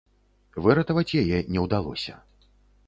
Выратаваць яе не ўдалося.